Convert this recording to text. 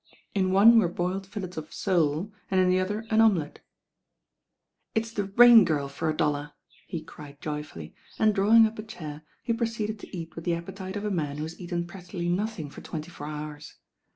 In one were boiled fillets of sc^t; and in the other an omelette. "It's the Rain Girl for a dollar," he cried joy fully and, drawing up a chair, he proceeded to eat with the appetite pf a man who has eaten practically nothing for twenty four hours.